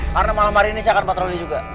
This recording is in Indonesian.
karena malam hari ini saya akan patroli juga